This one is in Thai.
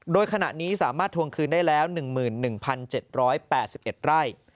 โดยขณะนี้สามารถทวงคืนได้แล้ว๑๑๗๘๑ไร่